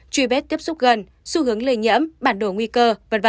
truy bết tiếp xúc gần xu hướng lây nhẫm bản đồ nguy cơ v v